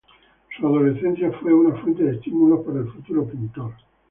Su adolescencia fue una fuente de estímulos para el futuro pintor.